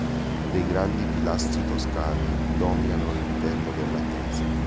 Dei grandi pilastri toscani dominano l'interno della chiesa.